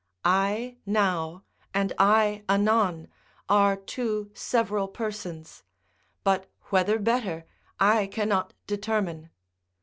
I now, and I anon, are two several persons; but whether better, I cannot determine.